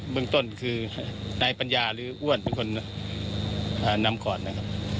เมืองต้นคือนายปัญญาหรืออ้วนเป็นคนนำก่อนนะครับ